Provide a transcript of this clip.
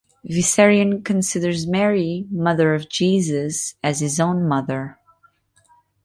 Vissarion considers Mary, mother of Jesus, as his own mother.